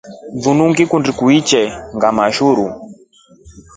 Linu ngikundi kiuche kanʼgama shuru.